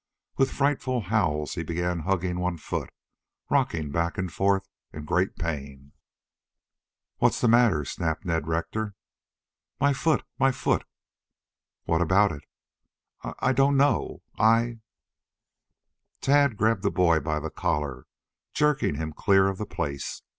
With frightful howls he began hugging one foot, rocking back and forth in great pain. "What's the matter?" snapped Ned Rector. "My foot! My foot!" "What about it " "I I don't know. I " Tad grabbed the boy by the collar, jerking him clear of the place.